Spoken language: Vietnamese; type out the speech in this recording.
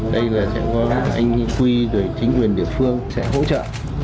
đây là sẽ có anh quy để chính quyền địa phương sẽ hỗ trợ